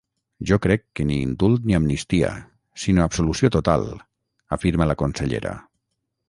Jo crec que ni indult ni amnistia, sinó absolució total, afirma la consellera.